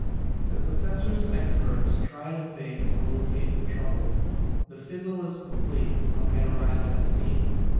The professors and experts tried in vain to locate the trouble. The fizzle was complete when I arrived at the scene.